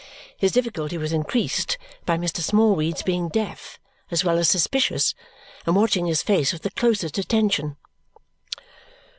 His difficulty was increased by Mr. Smallweed's being deaf as well as suspicious and watching his face with the closest attention.